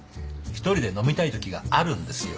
一人で飲みたいときがあるんですよ。